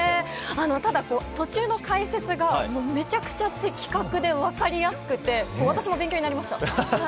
ただ、途中の解説がめちゃくちゃ的確で分かりやすくて私も勉強になりました。